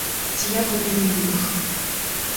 Ці я табе не муж?